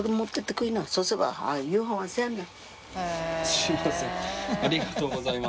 すみません。